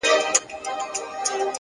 هره تېروتنه د درک نوې دروازه ده!.